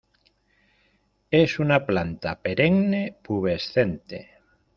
Es una planta perenne, pubescente.